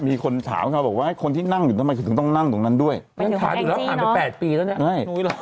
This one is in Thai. มีคนถามว่าคนที่นั่งอยู่ตรงนั้นด้วยหลายปีกูอีกแล้วเลย